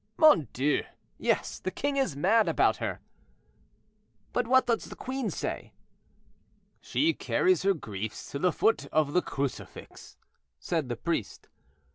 mon Dieu! yes; the king is mad about her." "But what does the queen say?" "She carries her griefs to the foot of the crucifix," said the priest.